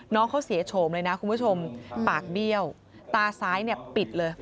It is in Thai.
น้องเขาเสียโฉมเลยนะคุณผู้ชมปากเบี้ยวตาซ้ายเนี่ยปิดเลย